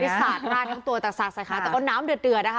สาดราดทั้งตัวแต่สาดใส่ขาแต่ก็น้ำเดือดนะคะ